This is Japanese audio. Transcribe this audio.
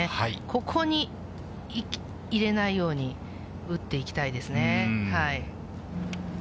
ここに入れないように打っていきたいですね。